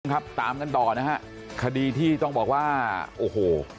ครับตามกันต่อนะฮะคดีที่ต้องบอกว่าโอ้โห